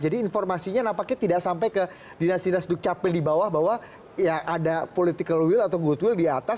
jadi informasinya tidak sampai ke dinas dinas dukcapil di bawah bahwa ya ada political will atau good will di atas